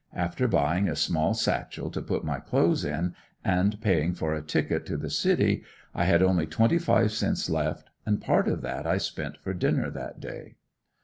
After buying a small satchel to put my clothes in and paying for a ticket to the city, I had only twenty five cents left and part of that I spent for dinner that day.